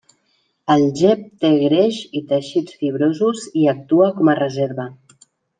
El gep té greix i teixits fibrosos i actua com a reserva.